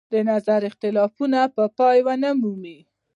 د نظر اختلافونه به پای ونه مومي.